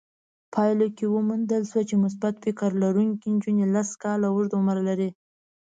پايلو کې وموندل شوه چې مثبت فکر لرونکې نجونې لس کاله اوږد عمر لري.